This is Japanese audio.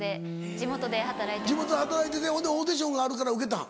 地元で働いててほんでオーディションがあるから受けたん？